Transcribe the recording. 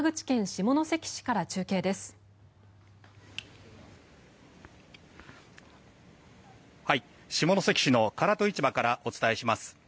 下関市の唐戸市場からお伝えします。